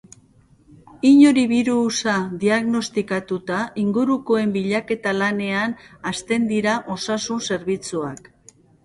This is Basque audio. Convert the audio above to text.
Inori birusa dignostikatuta, ingurukoen bilaketa lanean hasten dira osasun zerbitzuak.